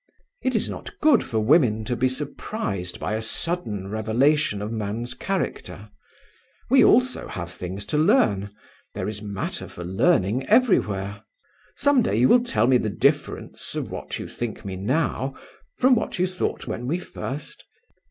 It is not good for women to be surprised by a sudden revelation of man's character. We also have things to learn there is matter for learning everywhere. Some day you will tell me the difference of what you think of me now, from what you thought when we first